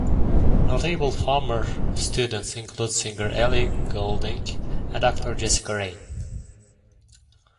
Notable former students include singer Ellie Goulding and actor Jessica Raine.